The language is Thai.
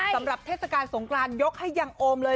สำหรับเทศกาลสงกรานยกให้อย่างโอมเลย